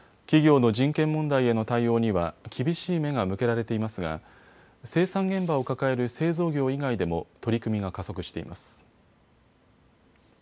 企業の人権問題への対応には厳しい目が向けられていますが生産現場を抱える製造業以外でも取り組みが加速しています。